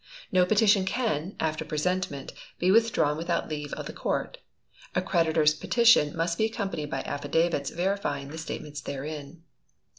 No petition can, after presentment, be withdrawn without leave of the Court. A creditor's petition must be accompanied by affidavits verifying the statements therein.